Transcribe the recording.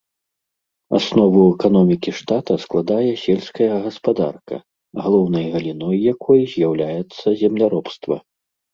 Аснову эканомікі штата складае сельская гаспадарка, галоўнай галіной якой з'яўляецца земляробства.